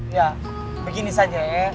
iya begini saja ya